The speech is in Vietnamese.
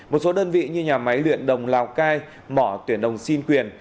một số đơn vị như nhà máy luyện đồng lào cai mỏ tuyển đồng xin quyền